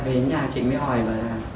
về nhà chị mới hỏi bảo là